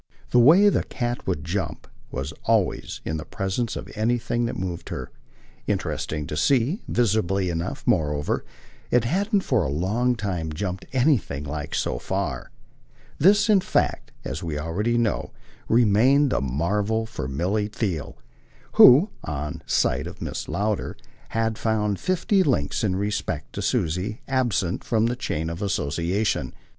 The way the cat would jump was always, in presence of anything that moved her, interesting to see; visibly enough, moreover, it hadn't for a long time jumped anything like so far. This in fact, as we already know, remained the marvel for Milly Theale, who, on sight of Mrs. Lowder, had found fifty links in respect to Susie absent from the chain of association.